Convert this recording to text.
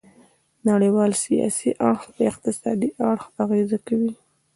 نړیوال سیاسي اړخ په اقتصادي اړخ اغیزه کوي